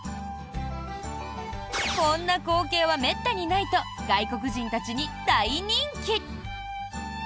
こんな光景はめったにないと外国人たちに大人気！